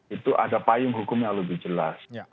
itu ada payung hukum yang lebih jelas